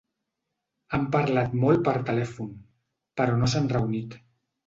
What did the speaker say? Han parlat molt per telèfon, però no s’han reunit.